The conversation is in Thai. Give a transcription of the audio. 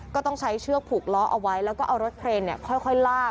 ก็ต้องใช้เชือกผูกล้อเอาไว้แล้วก็เอารถเครนค่อยลาก